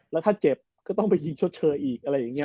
แล้วถ้าเจ็บก็ต้องไปยิงชดเชยอีก